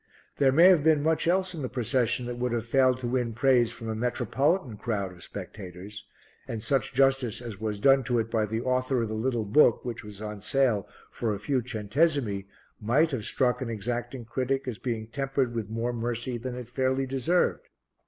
There may have been much else in the procession that would have failed to win praise from a metropolitan crowd of spectators, and such justice as was done to it by the author of the little book, which was on sale for a few centesimi, might have struck an exacting critic as being tempered with more mercy than it fairly deserved.